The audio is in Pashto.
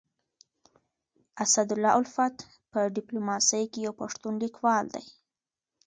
اسدالله الفت په ډيپلوماسي کي يو پښتون ليکوال دی.